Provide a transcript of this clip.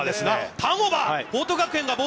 ターンオーバー。